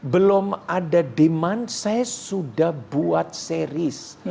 belum ada demand saya sudah buat series